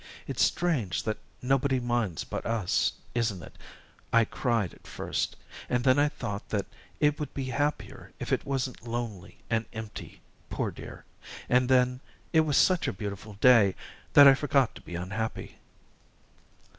"It's strange that nobody minds but us, isn't it? I cried at first and then I thought that it would be happier if it wasn't lonely and empty, poor dear and then, it was such a beautiful day, that I forgot to be unhappy."